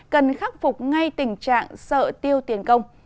cần khắc phục ngay tình trạng sợ tiêu tiền công